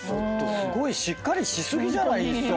すごいしっかりし過ぎじゃない？